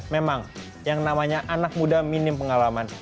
memang yang namanya anak muda minim pengalaman